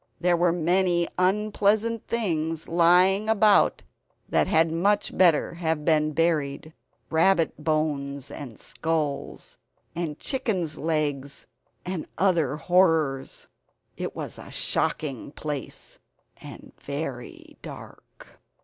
There were many unpleasant things lying about that had much better have been buried; rabbit bones and skulls, and chickens' legs and other horrors. It was a shocking place, and very dark.